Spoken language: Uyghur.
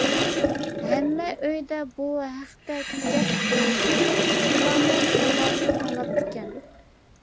ھەممە ئۆيدە بۇ ھەقتە گەپ بولىدىكەن، ئۇلارمۇ چوڭلاردىن ئاڭلاپتىكەن.